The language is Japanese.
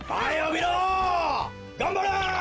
がんばれ！